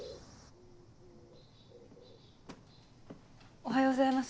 おはようございます。